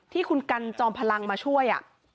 ที่คุณกันจอมพลังมาช่วย